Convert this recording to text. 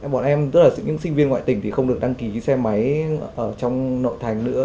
bọn em tức là những sinh viên ngoại tỉnh thì không được đăng ký xe máy ở trong nội thành nữa